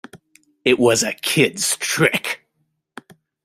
It was a kid's trick.